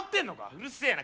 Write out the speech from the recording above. うるせえな。